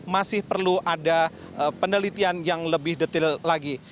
masih perlu ada penelitian yang lebih detail lagi